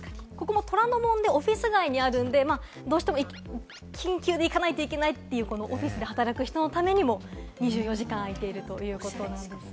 虎ノ門でオフィス街にあるので、どうしても緊急で行かないといけないという、オフィスで働く人のためにも２４時間開いているということです。